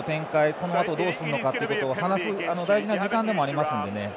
このあと、どうするのかを話す大事な時間でもありますので。